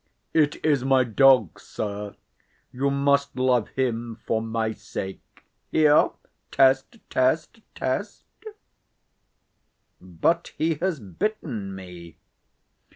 "It is my dog, sir. You must love him for my sake. Here, Test—Test—Test!" "But he has bitten me."